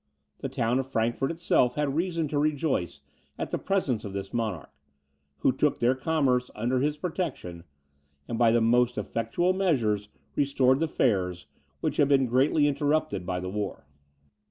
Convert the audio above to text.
The town of Frankfort itself had reason to rejoice at the presence of this monarch, who took their commerce under his protection, and by the most effectual measures restored the fairs, which had been greatly interrupted by the war.